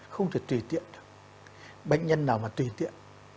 không thể tùy tiện được bệnh nhân nào mà tùy tiện